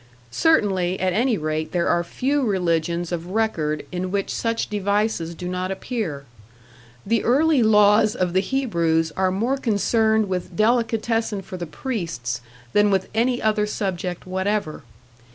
Certainly, at any rate, there are few religions of record in which such devices do not appear. The early laws of the Hebrews are more concerned with delicatessen for the priests than with any other subject whatever.